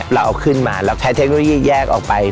เราขึ้นมาใช้เทคโนโลยีแยกออกไป